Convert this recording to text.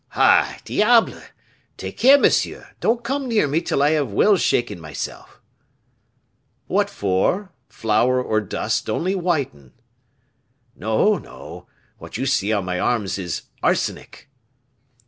"Ah, diable! take care, monsieur; don't come near me till I have well shaken myself." "What for? Flour or dust only whiten." "No, no; what you see on my arms is arsenic."